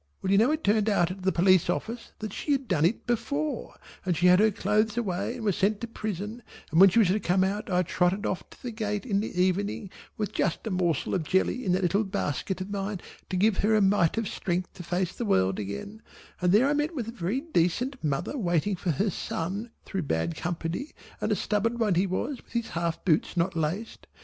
Well you know it turned out at the Police office that she had done it before, and she had her clothes away and was sent to prison, and when she was to come out I trotted off to the gate in the evening with just a morsel of jelly in that little basket of mine to give her a mite of strength to face the world again, and there I met with a very decent mother waiting for her son through bad company and a stubborn one he was with his half boots not laced.